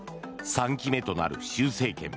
３期目となる習政権。